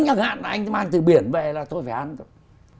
chẳng hạn là anh ta mang từ biển về là thôi phải ăn thôi